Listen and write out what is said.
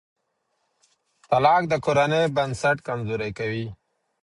طلاق د کورنۍ بنسټ کمزوری کوي.